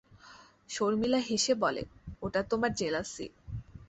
শর্মিলা হেসে বলে, ওটা তোমার জেলাসি।